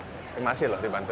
terima kasih loh dibantu